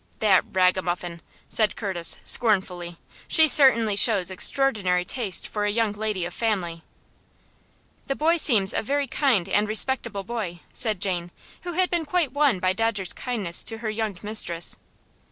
"That ragamuffin!" said Curtis, scornfully. "She certainly shows extraordinary taste for a young lady of family." "The boy seems a very kind and respectable boy," said Jane, who had been quite won by Dodger's kindness to her young mistress.